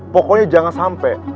pokoknya jangan sampe